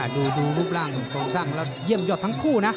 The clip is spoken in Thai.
ดูดูกล้องกะบี่เลยซึ่งสุดทอดทองคู่นะ